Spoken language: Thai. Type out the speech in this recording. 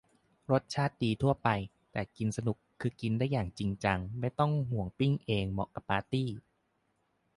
รสชาติดีทั่วไป แต่กินสนุก คือกินได้อย่างจริงจัง ไม่ต้องห่วงปิ้งเอง เหมาะกับปาร์ตี้